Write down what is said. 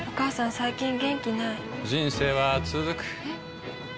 最近元気ない人生はつづくえ？